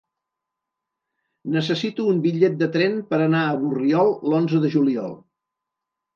Necessito un bitllet de tren per anar a Borriol l'onze de juliol.